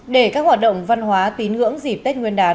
để các hoạt động văn hóa tín ngưỡng dịp tết nguyên đán